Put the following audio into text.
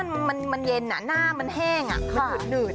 แล้วมันเย็นน่ะหน้ามันแห้งมันหนืด